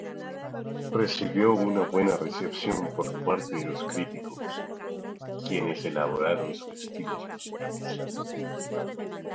Recibió una buena recepción por parte de los críticos, quienes alabaron sus estilos musicales.